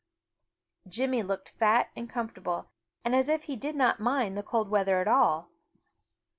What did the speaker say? Jimmy looked fat and comfortable and as if he did not mind the cold weather at all.